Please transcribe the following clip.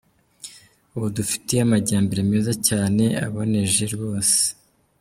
Ubu dufite amajyambere meza cyane aboneje rwose.